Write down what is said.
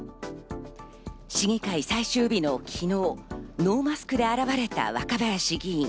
市議会最終日の昨日、ノーマスクで現れた若林議員。